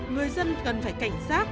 người dân cần phải cảnh giác